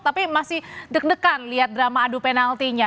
tapi masih deg degan lihat drama adu penaltinya